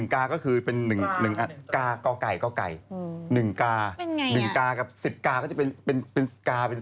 ๑กาก็คือ๑กากรก่อย๑กากร๑๐กาก็จะเป็นกา